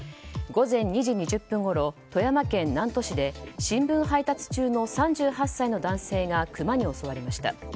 午前２時２０分ごろ富山県南砺市で新聞配達中の３８歳の男性がクマに襲われました。